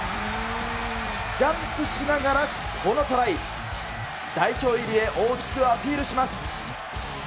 ジャンプしながらこのトライ。代表入りへ大きくアピールします。